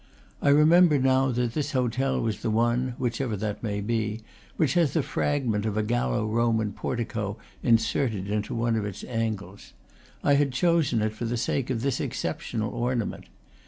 I remember now that this hotel was the one (whichever that may be) which has the fragment of a Gallo Roman portico inserted into one of its angles. I had chosen it for the sake of this ex ceptional ornament.